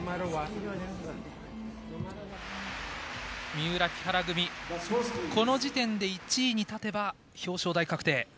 三浦木原組この時点で１位に立てば表彰台確定。